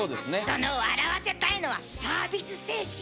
その笑わせたいのはサービス精神？